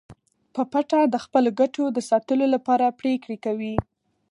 په پټه د خپلو ګټو د ساتلو لپاره پریکړې کوي